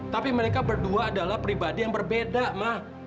tapi mereka berdua adalah pribadi yang berbeda mah